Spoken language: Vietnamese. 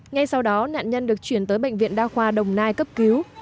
ngay sau đó nạn nhân được chuyển tới bệnh viện đa khoa đồng nai cấp cứu